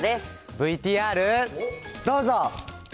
ＶＴＲ、どうぞ。